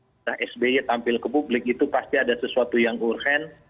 setelah sby tampil ke publik itu pasti ada sesuatu yang urgen